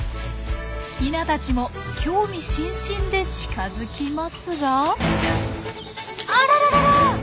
ヒナたちも興味津々で近づきますがあららら！